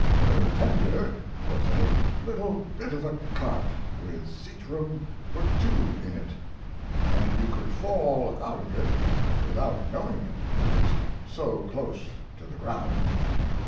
Her tender was a little bit of a cart with seat room for two in it, and you could fall out of it without knowing it, it was so close to the ground.